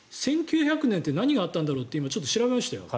１９００年って何があったんだろうって今、調べましたよ。